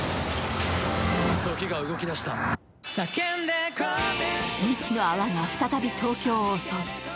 すると未知の泡が再び東京を襲う。